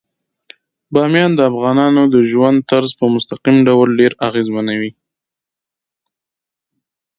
بامیان د افغانانو د ژوند طرز په مستقیم ډول ډیر اغېزمنوي.